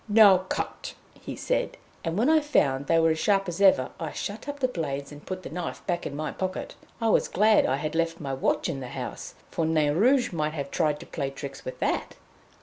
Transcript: "Now cut!" he said, and when I found they were as sharp as ever, I shut up the blades, and put the knife back into my pocket. I was glad I had left my watch in the house, for Nain Rouge might have tried to play tricks with that.